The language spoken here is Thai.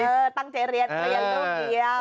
เออตั้งเจอเรียนลูกเดียว